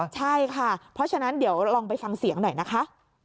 ใช่ค่ะเพราะฉะนั้นเดี๋ยวลองไปฟังเสียงหน่อยนะคะ